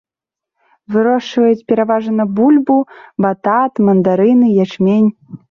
Вырошчваюць пераважна бульбу, батат, мандарыны, ячмень.